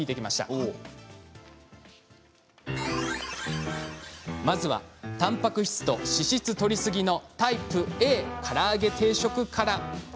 ではまず、たんぱく質と脂質とりすぎのタイプＡから揚げ定食から。